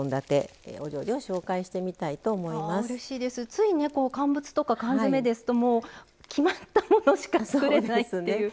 ついね乾物とか缶詰ですともう決まったものしか作れないっていう。